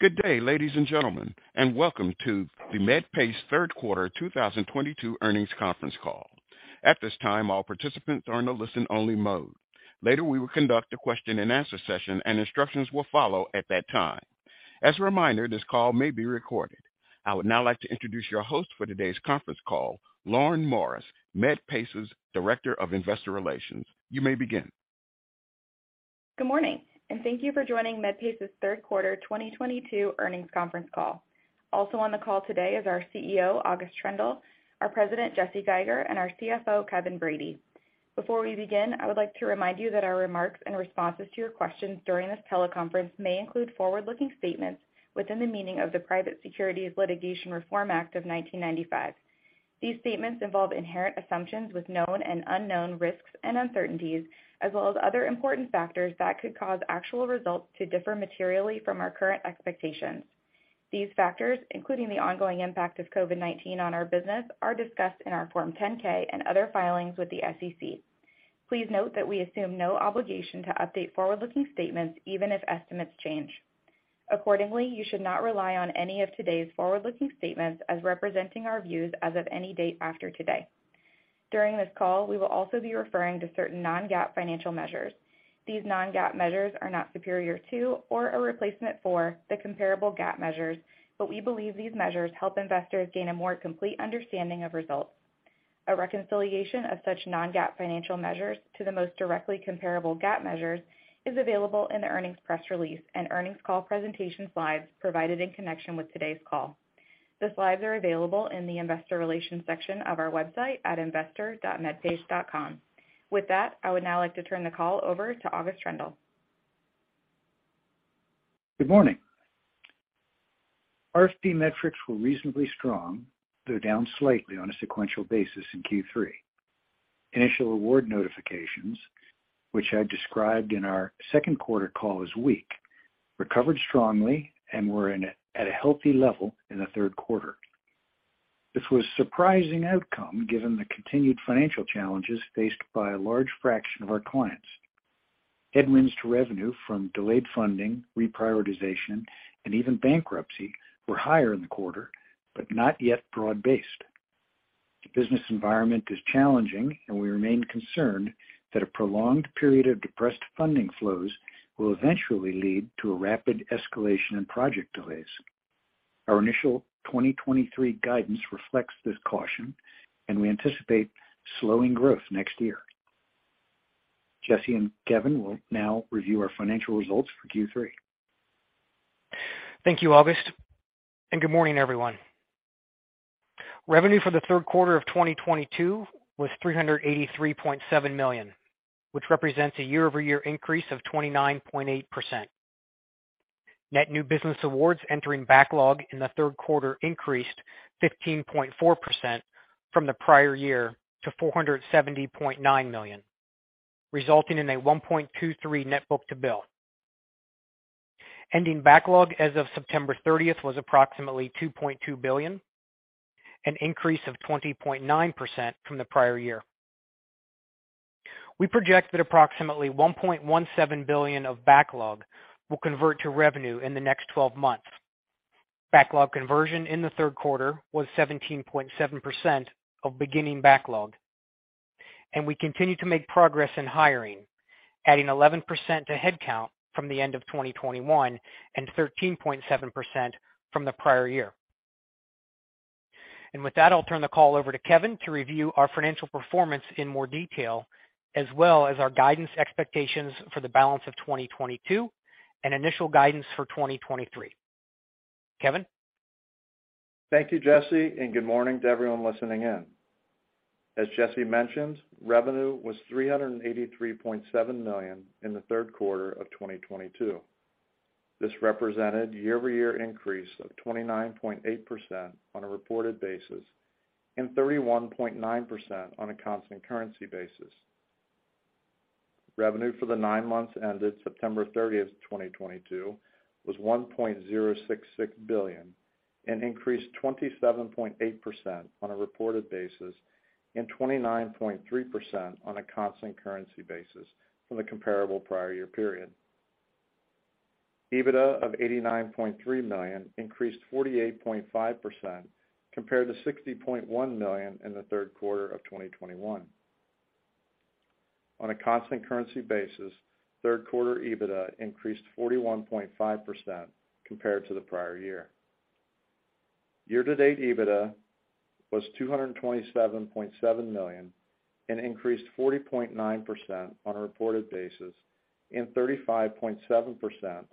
Good day, ladies and gentlemen, and welcome to the Medpace's third quarter 2022 earnings conference call. At this time, all participants are in a listen-only mode. Later, we will conduct a question-and-answer session, and instructions will follow at that time. As a reminder, this call may be recorded. I would now like to introduce your host for today's conference call, Lauren Morris, Medpace's Director of Investor Relations. You may begin. Good morning, and thank you for joining Medpace's third quarter 2022 earnings conference call. Also on the call today is our CEO, August Troendle, our President, Jesse Geiger, and our CFO, Kevin Brady. Before we begin, I would like to remind you that our remarks and responses to your questions during this teleconference may include forward-looking statements within the meaning of the Private Securities Litigation Reform Act of 1995. These statements involve inherent assumptions with known and unknown risks and uncertainties as well as other important factors that could cause actual results to differ materially from our current expectations. These factors, including the ongoing impact of COVID-19 on our business, are discussed in our Form 10-K and other filings with the SEC. Please note that we assume no obligation to update forward-looking statements even if estimates change. Accordingly, you should not rely on any of today's forward-looking statements as representing our views as of any date after today. During this call, we will also be referring to certain non-GAAP financial measures. These non-GAAP measures are not superior to or a replacement for the comparable GAAP measures, but we believe these measures help investors gain a more complete understanding of results. A reconciliation of such non-GAAP financial measures to the most directly comparable GAAP measures is available in the earnings press release and earnings call presentation slides provided in connection with today's call. The slides are available in the investor relations section of our website at investor dot Medpace dot com. With that, I would now like to turn the call over to August Troendle. Good morning. RFP metrics were reasonably strong, though down slightly on a sequential basis in Q3. Initial award notifications, which I described in our second quarter call as weak, recovered strongly and were at a healthy level in the third quarter. This was a surprising outcome given the continued financial challenges faced by a large fraction of our clients. Headwinds to revenue from delayed funding, reprioritization, and even bankruptcy were higher in the quarter, but not yet broad-based. The business environment is challenging, and we remain concerned that a prolonged period of depressed funding flows will eventually lead to a rapid escalation in project delays. Our initial 2023 guidance reflects this caution, and we anticipate slowing growth next year. Jesse and Kevin will now review our financial results for Q3. Thank you, August, and good morning, everyone. Revenue for the third quarter of 2022 was $383.7 million, which represents a year-over-year increase of 29.8%. Net new business awards entering backlog in the third quarter increased 15.4% from the prior year to $470.9 million, resulting in a 1.23 net book-to-bill. Ending backlog as of September 30 was approximately $2.2 billion, an increase of 20.9% from the prior year. We project that approximately $1.17 billion of backlog will convert to revenue in the next twelve months. Backlog conversion in the third quarter was 17.7% of beginning backlog, and we continue to make progress in hiring, adding 11% to headcount from the end of 2021 and 13.7% from the prior year. With that, I'll turn the call over to Kevin to review our financial performance in more detail, as well as our guidance expectations for the balance of 2022 and initial guidance for 2023. Kevin? Thank you, Jesse, and good morning to everyone listening in. As Jesse mentioned, revenue was $383.7 million in the third quarter of 2022. This represented year-over-year increase of 29.8% on a reported basis and 31.9% on a constant currency basis. Revenue for the nine months ended September 30, 2022 was $1.066 billion, an increase 27.8% on a reported basis and 29.3% on a constant currency basis from the comparable prior year period. EBITDA of $89.3 million increased 48.5% compared to $60.1 million in the third quarter of 2021. On a constant currency basis, third quarter EBITDA increased 41.5% compared to the prior year. Year-to-date EBITDA was $227.7 million, an increase 40.9% on a reported basis, and 35.7%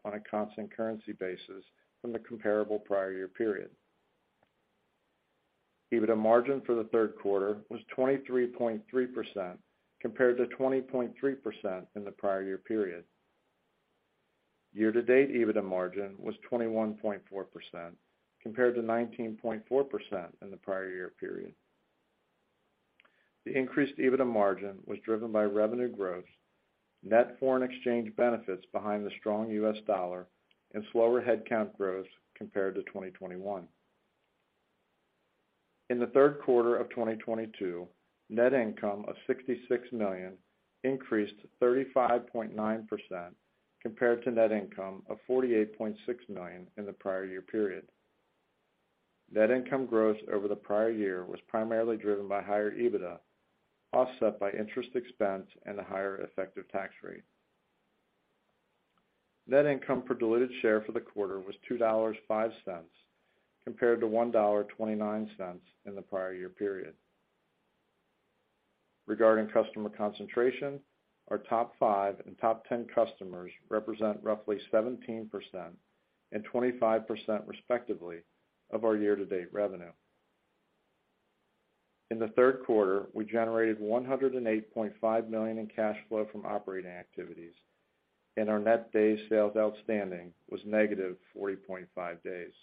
on a constant currency basis from the comparable prior year period. EBITDA margin for the third quarter was 23.3% compared to 20.3% in the prior year period. Year-to-date EBITDA margin was 21.4% compared to 19.4% in the prior year period. The increased EBITDA margin was driven by revenue growth, net foreign exchange benefits behind the strong US dollar, and slower headcount growth compared to 2021. In the third quarter of 2022, net income of $66 million increased 35.9% compared to net income of $48.6 million in the prior year period. Net income growth over the prior year was primarily driven by higher EBITDA, offset by interest expense and a higher effective tax rate. Net income per diluted share for the quarter was $2.05 compared to $1.29 in the prior year period. Regarding customer concentration, our top five and top ten customers represent roughly 17% and 25% respectively of our year-to-date revenue. In the third quarter, we generated $108.5 million in cash flow from operating activities, and our net days sales outstanding was -40.5 days.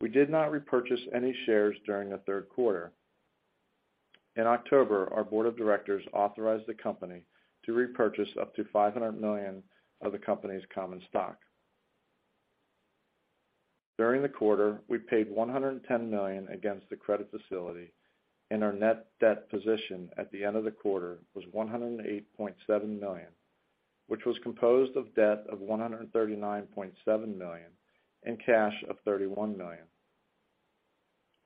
We did not repurchase any shares during the third quarter. In October, our board of directors authorized the company to repurchase up to $500 million of the company's common stock. During the quarter, we paid $110 million against the credit facility, and our net debt position at the end of the quarter was $108.7 million, which was composed of debt of $139.7 million and cash of $31 million.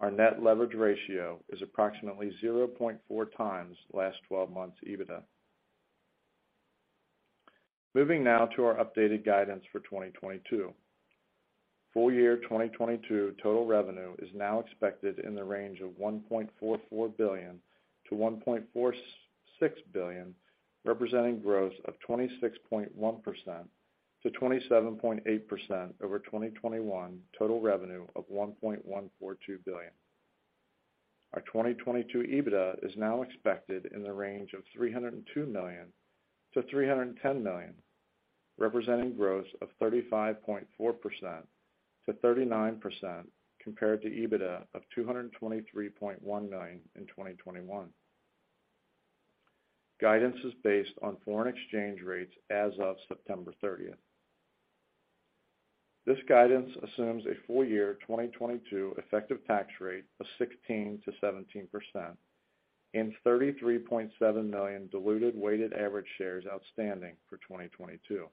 Our net leverage ratio is approximately 0.4x last twelve months EBITDA. Moving now to our updated guidance for 2022. Full year 2022 total revenue is now expected in the range of $1.44 billion-$1.46 billion, representing growth of 26.1%-27.8% over 2021 total revenue of $1.142 billion. Our 2022 EBITDA is now expected in the range of $302 million-$310 million, representing growth of 35.4%-39% compared to EBITDA of $223.1 million in 2021. Guidance is based on foreign exchange rates as of September 30. This guidance assumes a full year 2022 effective tax rate of 16%-17% and 33.7 million diluted weighted average shares outstanding for 2022.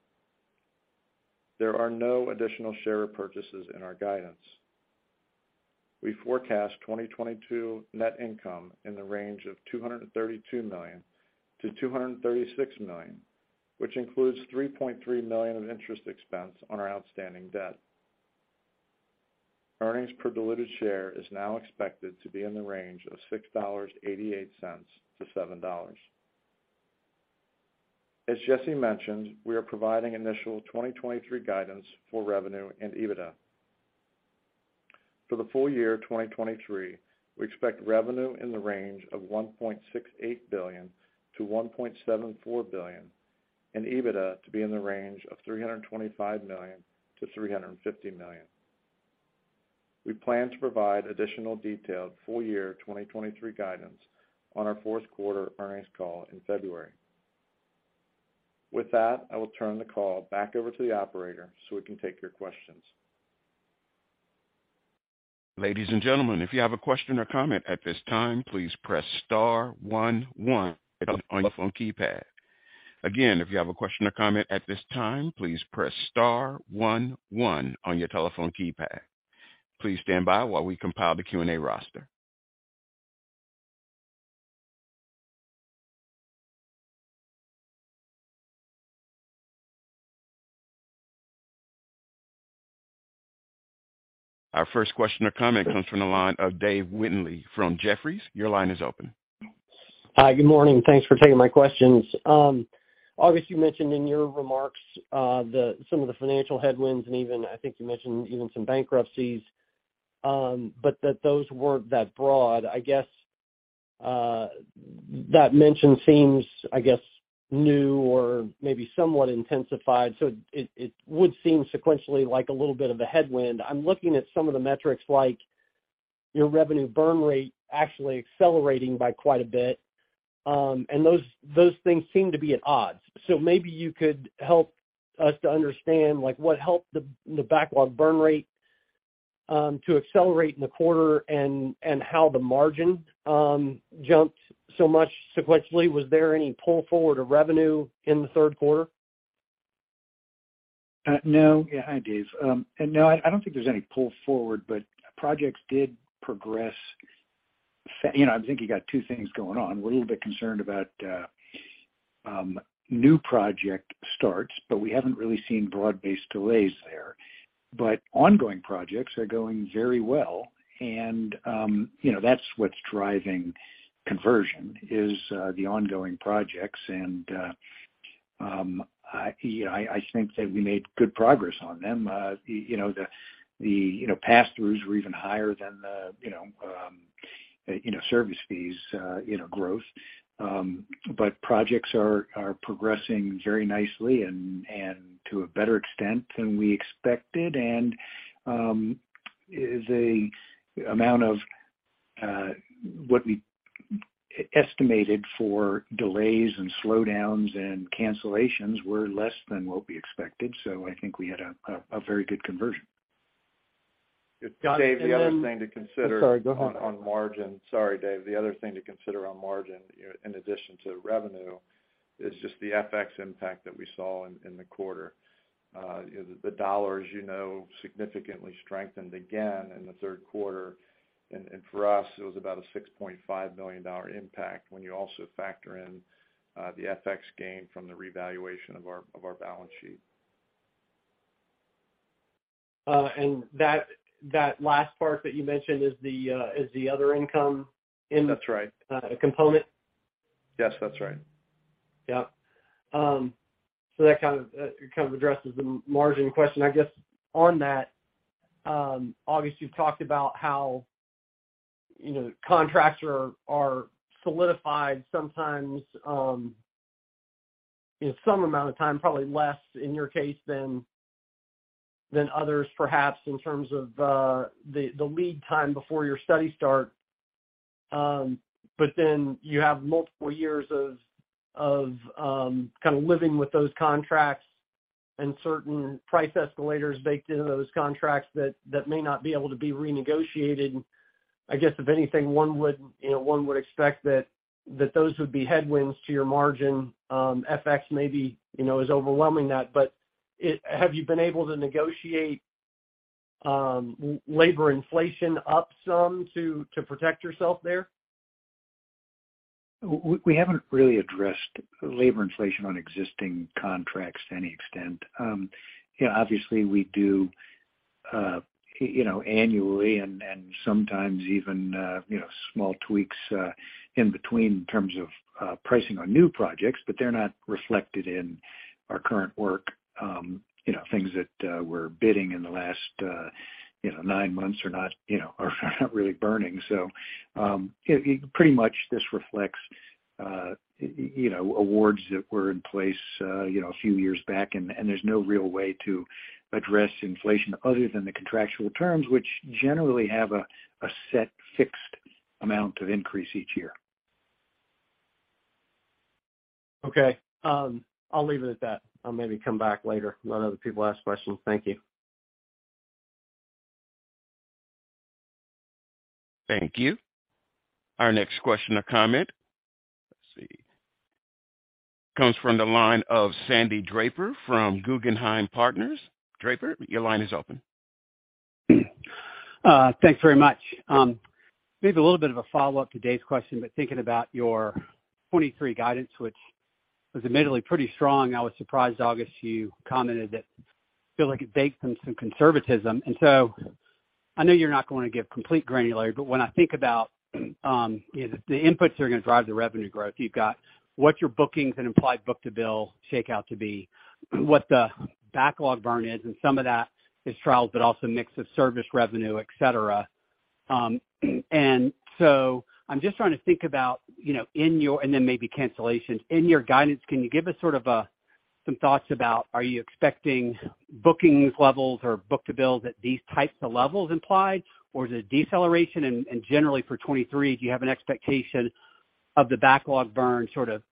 There are no additional share repurchases in our guidance. We forecast 2022 net income in the range of $232 million-$236 million, which includes $3.3 million of interest expense on our outstanding debt. Earnings per diluted share is now expected to be in the range of $6.88-$7. As Jesse mentioned, we are providing initial 2023 guidance for revenue and EBITDA. For the full year 2023, we expect revenue in the range of $1.68 billion-$1.74 billion and EBITDA to be in the range of $325 million-$350 million. We plan to provide additional detailed full year 2023 guidance on our fourth quarter earnings call in February. With that, I will turn the call back over to the operator, so we can take your questions. Ladies and gentlemen, if you have a question or comment at this time, please press star one one on your phone keypad. Again, if you have a question or comment at this time, please press star one one on your telephone keypad. Please stand by while we compile the Q&A roster. Our first question or comment comes from the line of Dave Windley from Jefferies. Your line is open. Hi. Good morning. Thanks for taking my questions. August, you mentioned in your remarks, some of the financial headwinds, and even I think you mentioned even some bankruptcies, but those weren't that broad. I guess that mention seems, I guess, new or maybe somewhat intensified. It would seem sequentially like a little bit of a headwind. I'm looking at some of the metrics like your revenue burn rate actually accelerating by quite a bit, and those things seem to be at odds. Maybe you could help us to understand, like, what helped the backlog burn rate to accelerate in the quarter and how the margin jumped so much sequentially. Was there any pull forward of revenue in the third quarter? No. Yeah. Hi, Dave. No, I don't think there's any pull forward, but projects did progress. You know, I'm thinking you got two things going on. We're a little bit concerned about new project starts, but we haven't really seen broad-based delays there. Ongoing projects are going very well, and you know, that's what's driving conversion is the ongoing projects. You know, I think that we made good progress on them. You know, the pass-throughs were even higher than the, you know, service fees, you know, growth. Projects are progressing very nicely and to a better extent than we expected. The amount of What we estimated for delays and slowdowns and cancellations were less than what we expected, so I think we had a very good conversion. Dave, the other thing to consider. I'm sorry, go ahead. On margin. Sorry, Dave. The other thing to consider on margin, you know, in addition to revenue is just the FX impact that we saw in the quarter. You know, the dollar, as you know, significantly strengthened again in the third quarter. For us, it was about a $6.5 million impact when you also factor in the FX gain from the revaluation of our balance sheet. That last part that you mentioned is the other income in- That's right. component? Yes, that's right. Yeah. That kind of, it kind of addresses the margin question. I guess on that, August, you've talked about how, you know, contracts are solidified sometimes, you know, some amount of time, probably less in your case than others, perhaps in terms of the lead time before your study start. Then you have multiple years of kind of living with those contracts and certain price escalators baked into those contracts that may not be able to be renegotiated. I guess if anything, one would, you know, one would expect that those would be headwinds to your margin. FX maybe, you know, is overwhelming that, but it. Have you been able to negotiate labor inflation up some to protect yourself there? We haven't really addressed labor inflation on existing contracts to any extent. You know, obviously we do annually and sometimes even small tweaks in between in terms of pricing on new projects, but they're not reflected in our current work. Things that we're bidding in the last nine months are not really burning. It pretty much reflects awards that were in place a few years back. There's no real way to address inflation other than the contractual terms, which generally have a set fixed amount of increase each year. Okay. I'll leave it at that. I'll maybe come back later, let other people ask questions. Thank you. Thank you. Our next question or comment, let's see, comes from the line of Sandy Draper from Guggenheim Partners. Draper, your line is open. Thanks very much. Maybe a little bit of a follow-up to Dave's question, but thinking about your 2023 guidance, which was admittedly pretty strong. I was surprised, August, you commented that feel like it baked in some conservatism. I know you're not going to give complete granularity, but when I think about, you know, the inputs that are gonna drive the revenue growth, you've got what your bookings and implied book-to-bill shakeout to be, what the backlog burn is, and some of that is trials, but also mix of service revenue, et cetera. I'm just trying to think about, you know, maybe cancellations. In your guidance, can you give us sort of some thoughts about are you expecting bookings levels or book-to-bill at these types of levels implied, or is it deceleration? Generally for 2023, do you have an expectation of the backlog burn sort of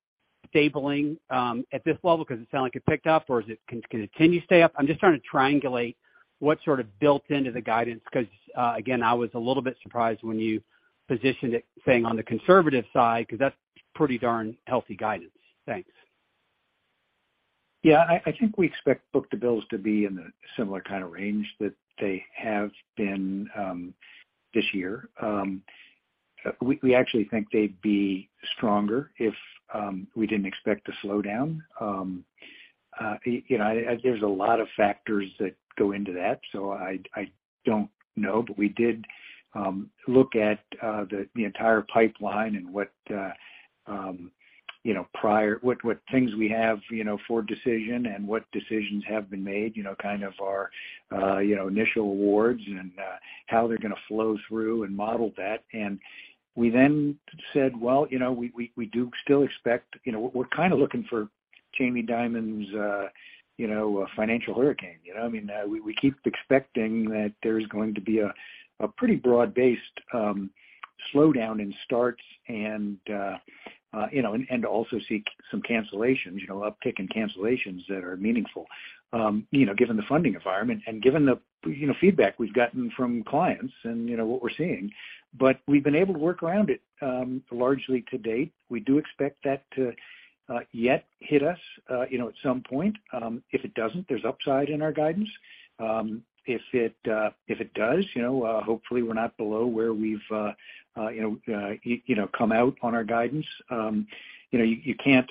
stabilizing at this level? 'Cause it sounds like it picked up. Or is it, can it continue to stay up? I'm just trying to triangulate what's built into the guidance. 'Cause, again, I was a little bit surprised when you positioned it, saying on the conservative side, 'cause that's pretty darn healthy guidance. Thanks. Yeah. I think we expect book-to-bill to be in a similar kind of range that they have been this year. We actually think they'd be stronger if we didn't expect to slow down. You know, there's a lot of factors that go into that, so I don't know. We did look at the entire pipeline and what things we have, you know, for decision and what decisions have been made, you know, kind of our initial awards and how they're gonna flow through and model that. We then said, well, you know, we do still expect, you know, we're kind of looking for Jamie Dimon's financial hurricane. You know what I mean? We keep expecting that there's going to be a pretty broad-based slowdown in starts and you know and also see some cancellations, you know, uptick in cancellations that are meaningful. You know, given the funding environment and given the you know feedback we've gotten from clients and you know what we're seeing. We've been able to work around it largely to date. We do expect that to yet hit us you know at some point. If it doesn't, there's upside in our guidance. If it does, you know, hopefully we're not below where we've you know come out on our guidance. You know, you can't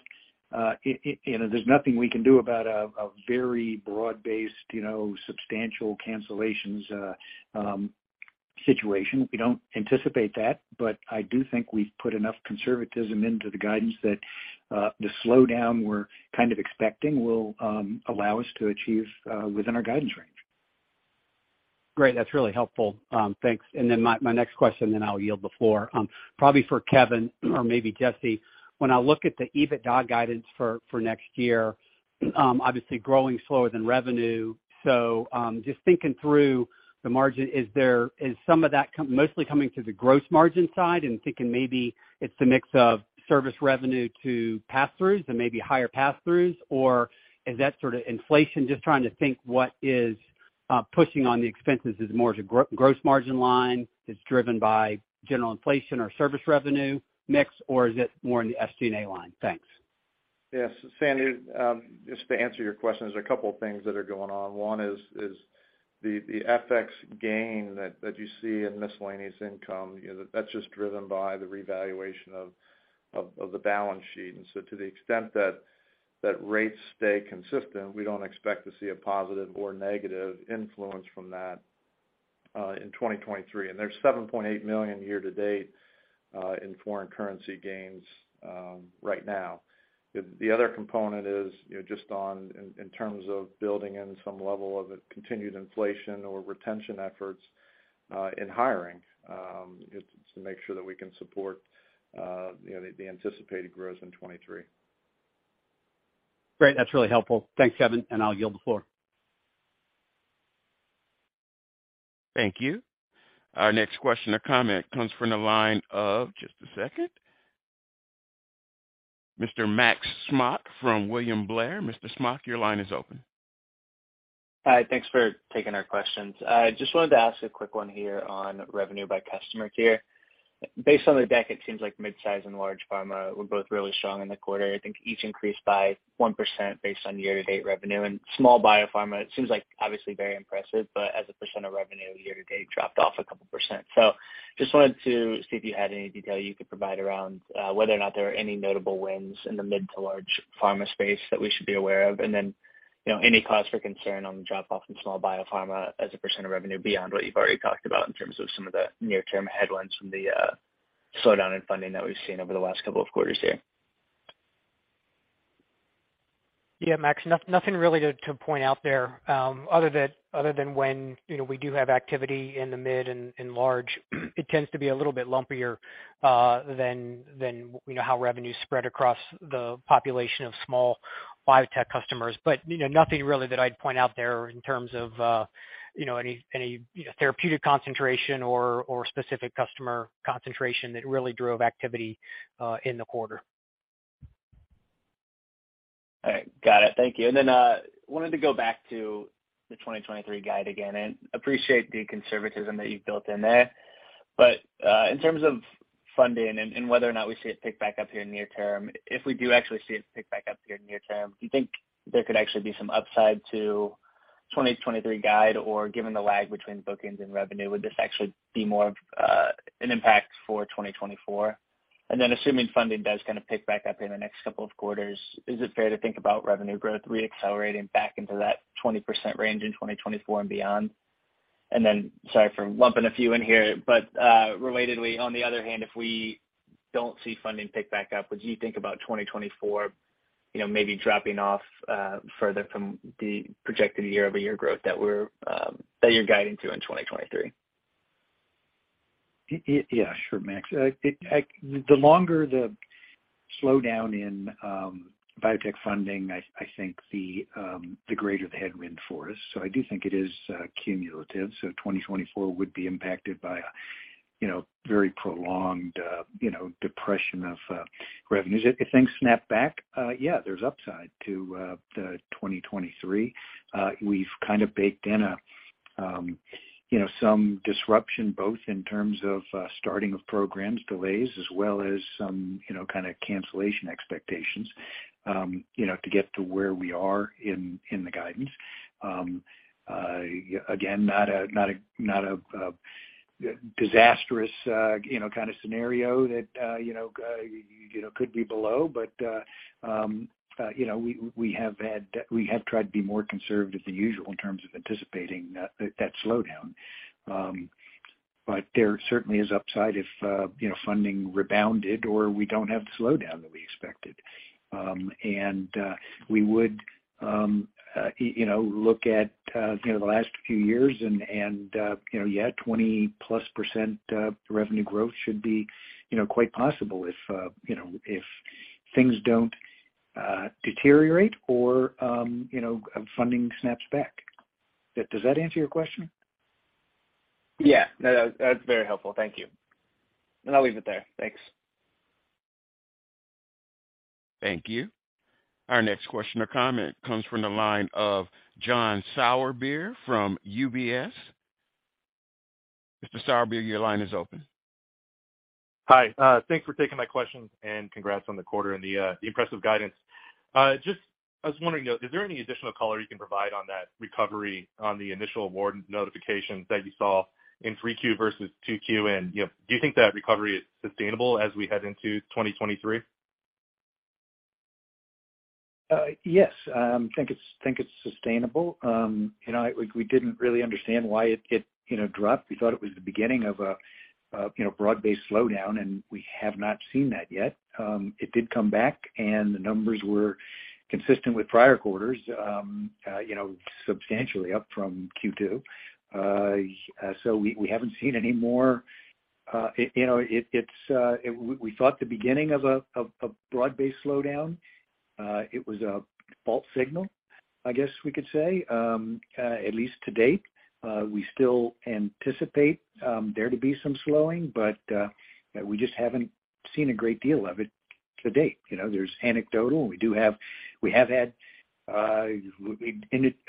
it you know there's nothing we can do about a very broad-based you know substantial cancellations situation. We don't anticipate that, but I do think we've put enough conservatism into the guidance that the slowdown we're kind of expecting will allow us to achieve within our guidance range. Great. That's really helpful. Thanks. My next question, I'll yield the floor. Probably for Kevin or maybe Jesse. When I look at the EBITDA guidance for next year, obviously growing slower than revenue. Just thinking through the margin, is some of that mostly coming through the gross margin side and thinking maybe it's the mix of service revenue to pass-throughs and maybe higher pass-throughs, or is that sort of inflation? Just trying to think what is pushing on the expenses is more as a gross margin line that's driven by general inflation or service revenue mix, or is it more in the SG&A line? Thanks. Yes. Sandy, just to answer your question, there's a couple of things that are going on. One is the FX gain that you see in miscellaneous income, you know, that's just driven by the revaluation of the balance sheet. To the extent that rates stay consistent, we don't expect to see a positive or negative influence from that in 2023. There's $7.8 million year to date in foreign currency gains right now. The other component is, you know, just in terms of building in some level of a continued inflation or retention efforts in hiring, it's to make sure that we can support, you know, the anticipated growth in 2023. Great. That's really helpful. Thanks, Kevin, and I'll yield the floor. Thank you. Our next question or comment comes from the line of, just a second, Mr. Max Smock from William Blair. Mr. Smock, your line is open. Hi. Thanks for taking our questions. I just wanted to ask a quick one here on revenue by customer here. Based on the deck, it seems like mid-size and large pharma were both really strong in the quarter. I think each increased by 1% based on year-to-date revenue. And small biopharma, it seems like obviously very impressive, but as a percent of revenue year to date dropped off a couple of %. Just wanted to see if you had any detail you could provide around whether or not there were any notable wins in the mid to large pharma space that we should be aware of. You know, any cause for concern on the drop off in small biopharma as a percent of revenue beyond what you've already talked about in terms of some of the near-term headwinds from the slowdown in funding that we've seen over the last couple of quarters here? Yeah, Max, nothing really to point out there, other than when you know we do have activity in the mid and large, it tends to be a little bit lumpier than you know how revenue is spread across the population of small biotech customers. You know, nothing really that I'd point out there in terms of you know any therapeutic concentration or specific customer concentration that really drove activity in the quarter. All right. Got it. Thank you. Then wanted to go back to the 2023 guide again and appreciate the conservatism that you've built in there. In terms of funding and whether or not we see it pick back up here near term, if we do actually see it pick back up here near term, do you think there could actually be some upside to 2023 guide, or given the lag between bookings and revenue, would this actually be more of an impact for 2024? Assuming funding does kind of pick back up in the next couple of quarters, is it fair to think about revenue growth reaccelerating back into that 20% range in 2024 and beyond? Sorry for lumping a few in here, but relatedly, on the other hand, if we don't see funding pick back up, would you think about 2024, you know, maybe dropping off further from the projected year-over-year growth that you're guiding to in 2023? Yeah, sure, Max. The longer the slowdown in biotech funding, I think the greater the headwind for us. I do think it is cumulative. 2024 would be impacted by very prolonged depression of revenues. If things snap back, yeah, there's upside to the 2023. We've kind of baked in some disruption both in terms of starting of programs delays as well as some kind of cancellation expectations to get to where we are in the guidance. Again, not a disastrous kind of scenario that could be below. You know, we have tried to be more conservative than usual in terms of anticipating that slowdown. There certainly is upside if you know, funding rebounded or we don't have the slowdown that we expected. We would you know, look at you know, the last few years and you know, yeah, 20%+ revenue growth should be you know, quite possible if you know, if things don't deteriorate or you know, funding snaps back. Does that answer your question? Yeah. No, that's very helpful. Thank you. I'll leave it there. Thanks. Thank you. Our next question or comment comes from the line of John Sourbeer from UBS. Mr. Sourbeer, your line is open. Hi. Thanks for taking my questions and congrats on the quarter and the impressive guidance. Just I was wondering, is there any additional color you can provide on that recovery on the initial award notifications that you saw in 3Q versus 2Q? You know, do you think that recovery is sustainable as we head into 2023? Yes. Think it's sustainable. You know, we didn't really understand why it dropped. We thought it was the beginning of a broad-based slowdown, and we have not seen that yet. It did come back and the numbers were consistent with prior quarters, you know, substantially up from Q2. So we haven't seen any more. You know, it was a false signal, I guess we could say. At least to date, we still anticipate there to be some slowing, but we just haven't seen a great deal of it to date. You know, there's anecdotal, and we have had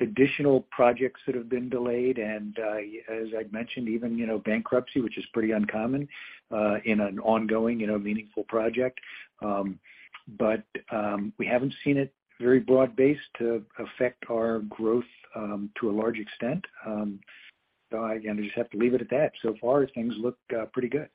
additional projects that have been delayed. As I'd mentioned, even, you know, bankruptcy, which is pretty uncommon in an ongoing, you know, meaningful project. We haven't seen it very broad-based to affect our growth to a large extent. Again, I just have to leave it at that. So far, things look pretty good.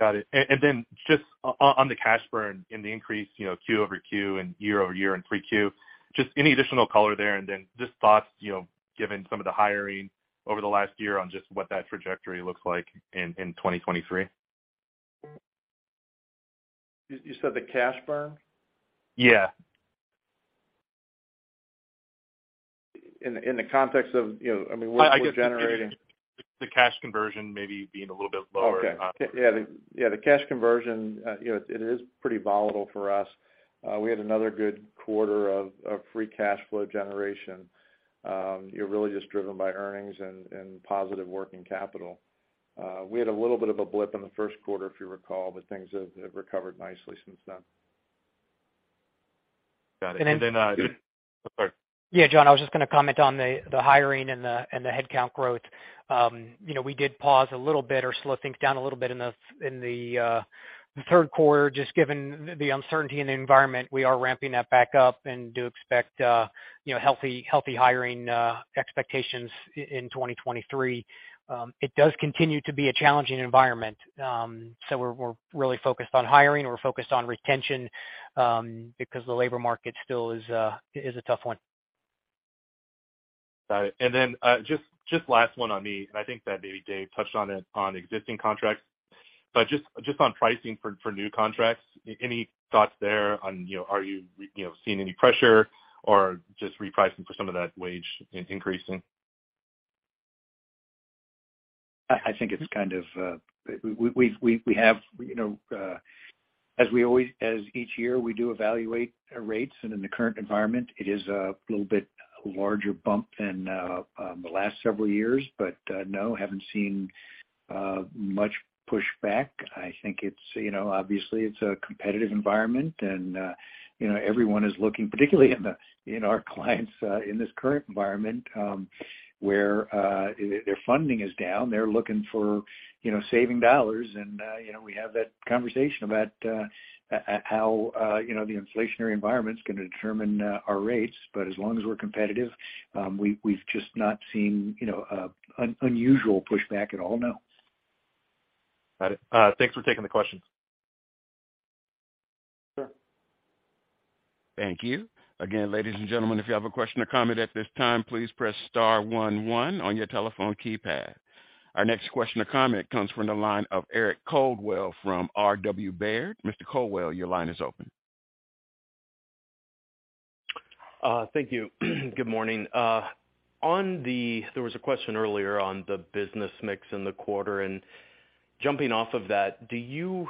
Got it. Then just on the cash burn and the increase, you know, Q-over-Q and year-over-year in 3Q, just any additional color there, and then just thoughts, you know, given some of the hiring over the last year on just what that trajectory looks like in 2023. You said the cash burn? Yeah. In the context of, you know, I mean, we're generating. I guess the cash conversion maybe being a little bit lower. Okay. Yeah. Yeah, the cash conversion, you know, it is pretty volatile for us. We had another good quarter of free cash flow generation, really just driven by earnings and positive working capital. We had a little bit of a blip in the first quarter, if you recall, but things have recovered nicely since then. Got it. And then- Yeah, John, I was just gonna comment on the hiring and the headcount growth. You know, we did pause a little bit or slow things down a little bit in the third quarter. Just given the uncertainty in the environment, we are ramping that back up and do expect you know, healthy hiring expectations in 2023. It does continue to be a challenging environment. We're really focused on hiring. We're focused on retention because the labor market still is a tough one. Got it. Just last one on me, I think that maybe Dave touched on it on existing contracts. Just on pricing for new contracts, any thoughts there on, you know, are you know, seeing any pressure or just repricing for some of that wage increasing? I think it's kind of as we always as each year we do evaluate our rates and in the current environment it is a little bit larger bump than the last several years. No, haven't seen much pushback. I think it's you know obviously it's a competitive environment and you know everyone is looking, particularly you know our clients in this current environment where their funding is down. They're looking for you know saving dollars. You know we have that conversation about how you know the inflationary environment is gonna determine our rates. As long as we're competitive, we've just not seen you know unusual pushback at all, no. Got it. Thanks for taking the questions. Sure. Thank you. Again, ladies and gentlemen, if you have a question or comment at this time, please press star one one on your telephone keypad. Our next question or comment comes from the line of Eric Coldwell from Robert W. Baird. Mr. Coldwell, your line is open. Thank you. Good morning. There was a question earlier on the business mix in the quarter, and jumping off of that, do you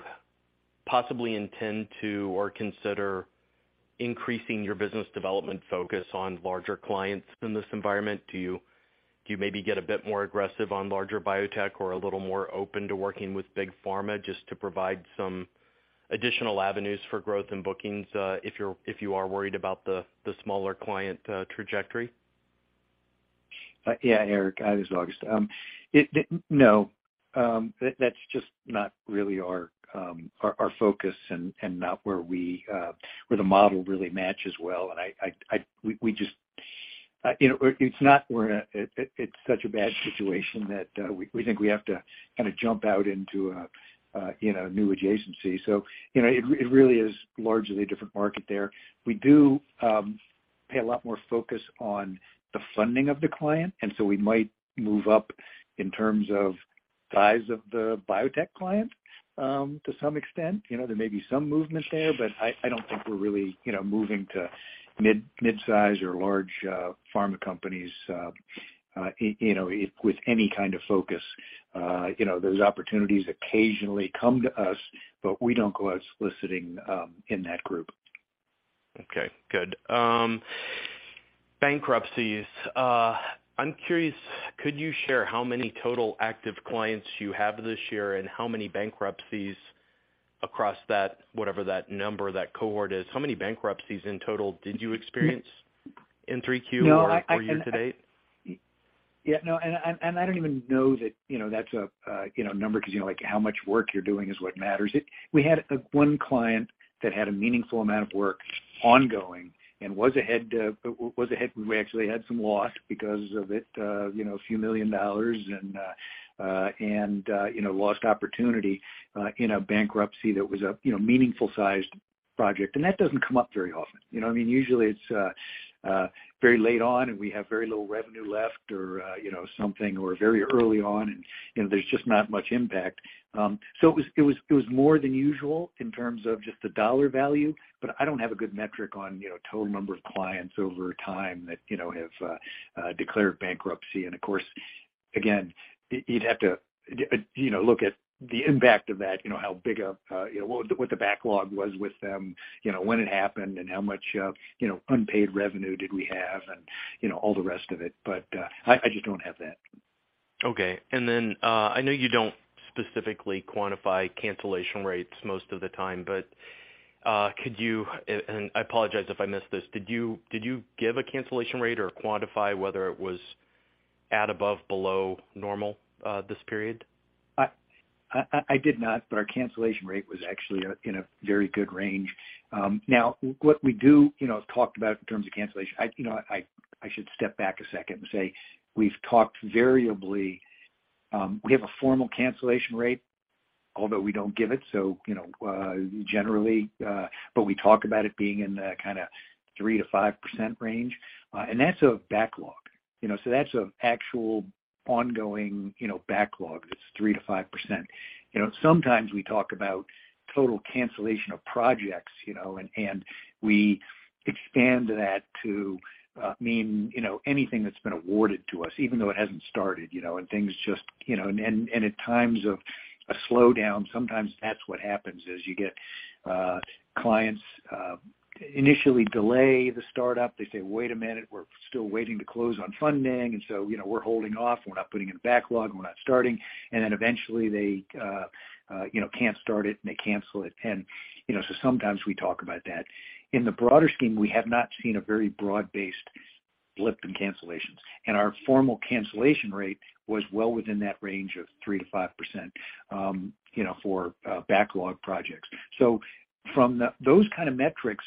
possibly intend to or consider increasing your business development focus on larger clients in this environment? Do you maybe get a bit more aggressive on larger biotech or a little more open to working with big pharma just to provide some additional avenues for growth and bookings, if you are worried about the smaller client trajectory? Yeah, Eric, this is August. That's just not really our focus and not where the model really matches well. You know, it's not such a bad situation that we think we have to kinda jump out into a you know, a new adjacency. You know, it really is largely a different market there. We do pay a lot more focus on the funding of the client, and so we might move up in terms of size of the biotech client to some extent. You know, there may be some movement there, but I don't think we're really you know, moving to mid-size or large pharma companies you know, with any kind of focus. You know, those opportunities occasionally come to us, but we don't go out soliciting in that group. Okay, good. Bankruptcies. I'm curious, could you share how many total active clients you have this year and how many bankruptcies across that, whatever that number, that cohort is? How many bankruptcies in total did you experience in Q3 or year to date? Yeah, no. I don't even know that, you know, that's a number 'cause, you know, like, how much work you're doing is what matters. We had one client that had a meaningful amount of work ongoing and was ahead. We actually had some loss because of it, you know, $ a few million and, you know, lost opportunity in a bankruptcy that was a, you know, meaningful sized project. That doesn't come up very often. You know what I mean? Usually it's very late on, and we have very little revenue left or, you know, something or very early on and, you know, there's just not much impact. It was more than usual in terms of just the dollar value, but I don't have a good metric on, you know, total number of clients over time that, you know, have declared bankruptcy. Of course, again, you'd have to, you know, look at the impact of that, you know, how big a, you know, what the backlog was with them, you know, when it happened and how much, you know, unpaid revenue did we have and, you know, all the rest of it. I just don't have that. Okay. I know you don't specifically quantify cancellation rates most of the time, but could you, and I apologize if I missed this, did you give a cancellation rate or quantify whether it was at above, below normal, this period? I did not, but our cancellation rate was actually in a very good range. Now what we do, you know, talked about in terms of cancellation. I should step back a second and say we've talked variably, we have a formal cancellation rate, although we don't give it, so, you know, generally, but we talk about it being in the kinda 3%-5% range. And that's a backlog, you know, so that's an actual ongoing, you know, backlog that's 3%-5%. You know, sometimes we talk about total cancellation of projects, you know, and we expand that to mean, you know, anything that's been awarded to us, even though it hasn't started, you know, and things just, you know. At times of a slowdown, sometimes that's what happens is you get clients initially delay the start up. They say, "Wait a minute, we're still waiting to close on funding, and so, you know, we're holding off. We're not putting in a backlog. We're not starting." Eventually they, you know, can't start it, and they cancel it. You know, sometimes we talk about that. In the broader scheme, we have not seen a very broad-based blip in cancellations. Our formal cancellation rate was well within that range of 3%-5%, you know, for backlog projects. From those kind of metrics,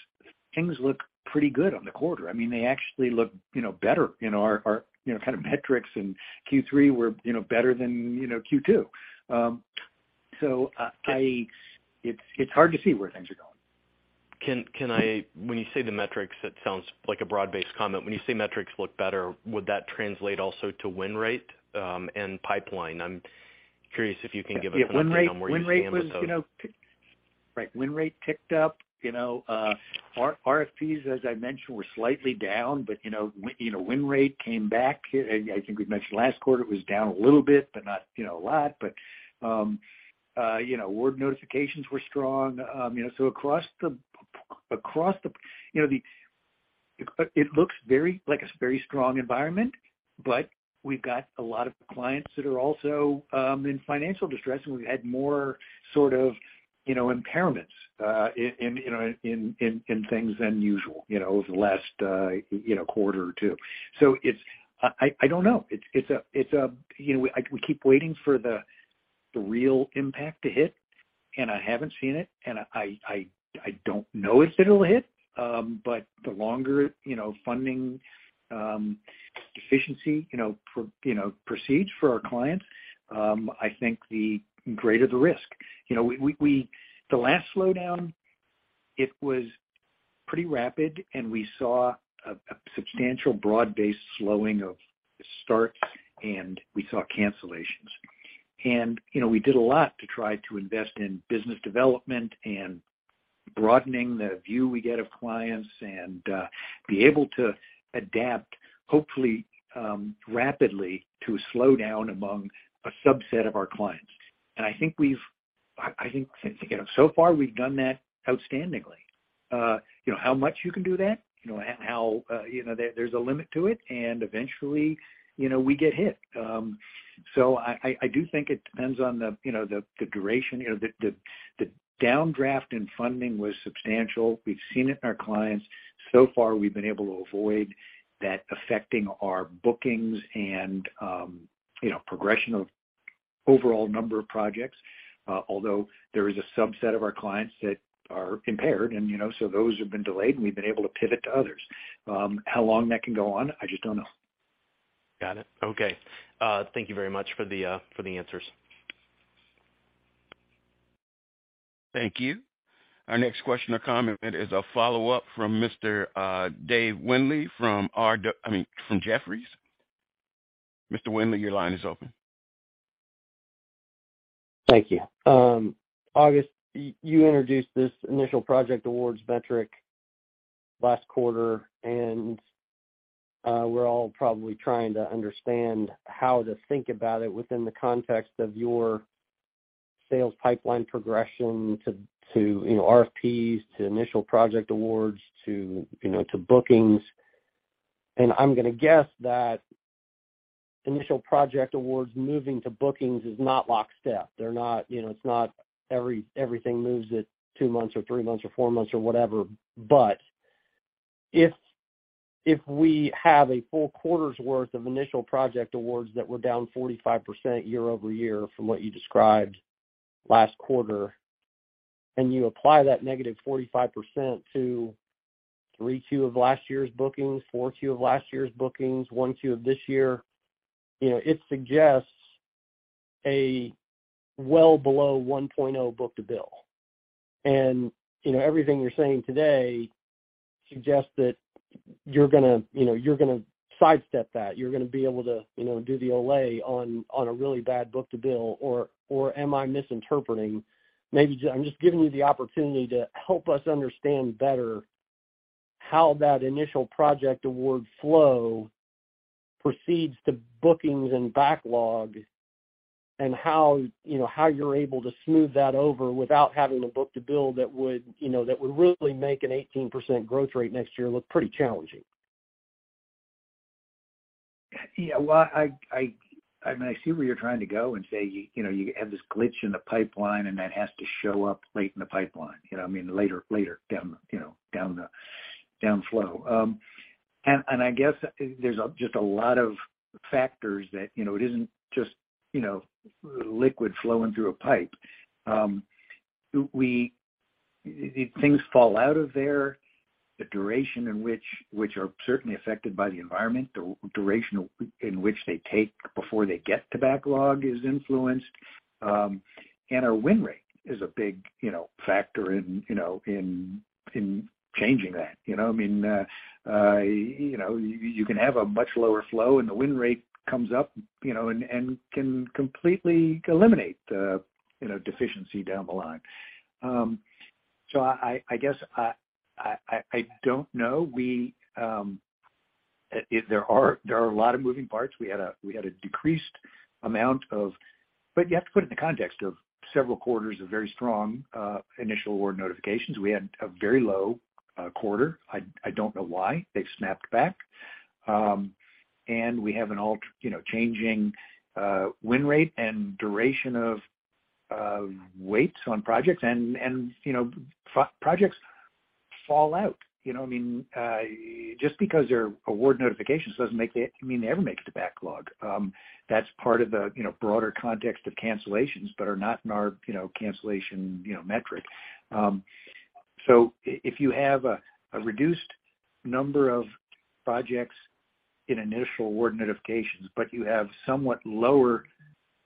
things look pretty good on the quarter. I mean, they actually look, you know, better. You know, our you know, kind of metrics in Q3 were, you know, better than, you know, Q2. Can- It's hard to see where things are going. Can I, when you say the metrics, that sounds like a broad-based comment. When you say metrics look better, would that translate also to win rate, and pipeline? I'm curious if you can give an update on where you stand with those. Yeah, win rate was, you know. Right. Win rate ticked up. You know, our RFPs, as I mentioned, were slightly down, but, you know, win rate came back. I think we mentioned last quarter it was down a little bit, but not, you know, a lot. Award notifications were strong. You know, across the, it looks very like a very strong environment, but we've got a lot of clients that are also in financial distress, and we've had more sort of, you know, impairments in things than usual, you know, over the last quarter or two. It's. I don't know. It's, you know, we keep waiting for the real impact to hit, and I haven't seen it, and I don't know if it'll hit. The longer, you know, funding deficiency, you know, proceeds for our clients, I think the greater the risk. You know. The last slowdown, it was pretty rapid, and we saw a substantial broad-based slowing of starts, and we saw cancellations. You know, we did a lot to try to invest in business development and broadening the view we get of clients and be able to adapt, hopefully, rapidly to a slowdown among a subset of our clients. I think, you know, so far, we've done that outstandingly. You know, how much you can do that, you know. There's a limit to it, and eventually, you know, we get hit. I do think it depends on the, you know, the downdraft in funding. It was substantial. We've seen it in our clients. So far, we've been able to avoid that affecting our bookings and, you know, progression of overall number of projects, although there is a subset of our clients that are impaired, and, you know, so those have been delayed, and we've been able to pivot to others. How long that can go on, I just don't know. Got it. Okay. Thank you very much for the answers. Thank you. Our next question or comment is a follow-up from Mr. Dave Windley from Jefferies. Mr. Windley, your line is open. Thank you. August, you introduced this initial project awards metric last quarter, and we're all probably trying to understand how to think about it within the context of your sales pipeline progression to, you know, RFPs, to initial project awards, to, you know, to bookings. I'm gonna guess that initial project awards moving to bookings is not lockstep. They're not, you know, it's not everything moves at two months or three months or four months or whatever. If we have a full quarter's worth of initial project awards that were down 45% year-over-year from what you described last quarter, and you apply that negative 45% to 3Q of last year's bookings, 4Q of last year's bookings, 1Q of this year, you know, it suggests a well below 1.0 book-to-bill. You know, everything you're saying today suggests that you're gonna, you know, you're gonna sidestep that. You're gonna be able to, you know, do the old on a really bad book-to-bill, or am I misinterpreting? Maybe I'm just giving you the opportunity to help us understand better. How that initial project award flow proceeds to bookings and backlog and how, you know, how you're able to smooth that over without having to book-to-bill that would, you know, that would really make an 18% growth rate next year look pretty challenging. Yeah. Well, I mean, I see where you're trying to go and say, you know, you have this glitch in the pipeline and that has to show up late in the pipeline. You know what I mean? Later down the, you know, down the flow. I guess there's just a lot of factors that, you know, it isn't just, you know, liquid flowing through a pipe. If things fall out of there, the duration in which are certainly affected by the environment, the duration in which they take before they get to backlog is influenced. Our win rate is a big, you know, factor in, you know, changing that. You know what I mean? You know, you can have a much lower flow and the win rate comes up, you know, and can completely eliminate the, you know, deficiency down the line. I guess I don't know. There are a lot of moving parts. We had a decreased amount of. You have to put it in the context of several quarters of very strong initial award notifications. We had a very low quarter. I don't know why. They've snapped back. We have an overall changing win rate and duration of waits on projects and, you know, some projects fall out. You know what I mean? Just because they're award notifications doesn't mean they ever make it to backlog. That's part of the, you know, broader context of cancellations but are not in our, you know, cancellation, you know, metric. If you have a reduced number of projects in initial award notifications, but you have somewhat lower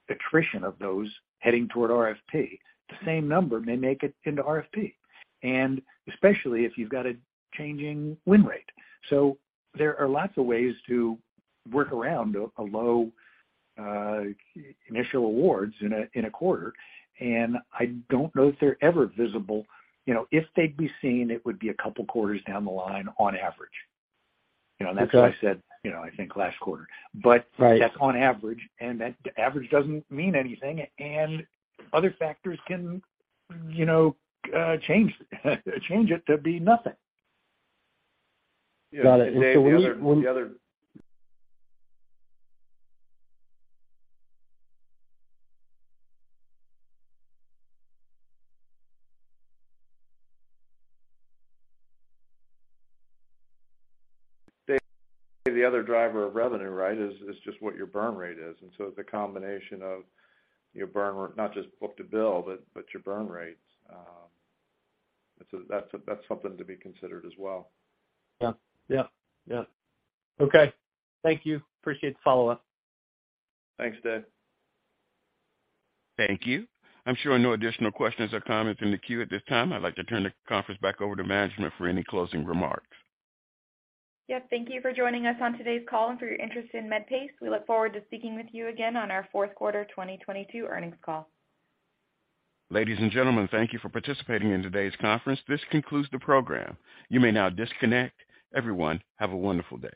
attrition of those heading toward RFP, the same number may make it into RFP, and especially if you've got a changing win rate. There are lots of ways to work around a low initial awards in a quarter. I don't know if they're ever visible. You know, if they'd be seen, it would be a couple quarters down the line on average. You know, that's what I said, you know, I think last quarter. Right. That's on average, and that average doesn't mean anything, and other factors can, you know, change it to be nothing. Got it. Dave, the other driver of revenue, right, is just what your burn rate is. The combination of your burn rate, not just book to bill, but your burn rates. That's something to be considered as well. Yeah. Yep. Yeah. Okay. Thank you. Appreciate the follow-up. Thanks, Dave. Thank you. I'm showing no additional questions or comments in the queue at this time. I'd like to turn the conference back over to management for any closing remarks. Yep. Thank you for joining us on today's call and for your interest in Medpace. We look forward to speaking with you again on our fourth quarter 2022 earnings call. Ladies and gentlemen, thank you for participating in today's conference. This concludes the program. You may now disconnect. Everyone, have a wonderful day.